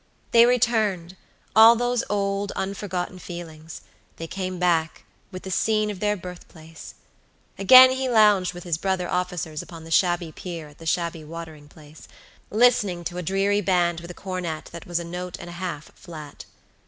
They returned, all those old unforgotten feelings; they came back, with the scene of their birth place. Again he lounged with his brother officers upon the shabby pier at the shabby watering place, listening to a dreary band with a cornet that was a note and a half flat.